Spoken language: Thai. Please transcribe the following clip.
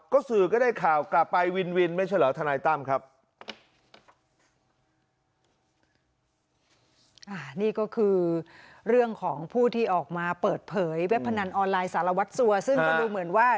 ก็สื่อก็ได้ข่าวกลับไปวินวินไม่ใช่เหรอทนายตั้มครับ